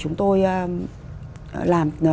chúng tôi làm